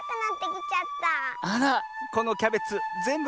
あらこのキャベツぜんぶ